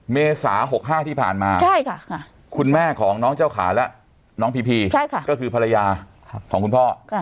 เมษา๖๕ที่ผ่านมาคุณแม่ของน้องเจ้าขาและน้องพีพีก็คือภรรยาของคุณพ่อ